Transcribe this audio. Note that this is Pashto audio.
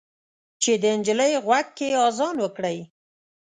چې د نجلۍ غوږ کې اذان وکړئ